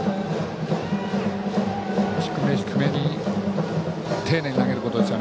低め低めに丁寧に投げることです。